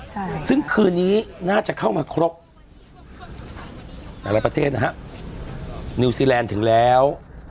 ใช่ซึ่งคืนนี้น่าจะเข้ามาครบแต่ละประเทศนะฮะนิวซีแลนด์ถึงแล้ว